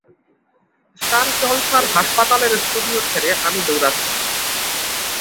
Star জলসার হাসপাতালের studio ছেড়ে আমি দৌড়াচ্ছি।